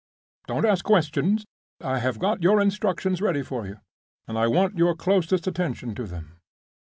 Don't ask questions! I have got your instructions ready for you, and I want your closest attention to them.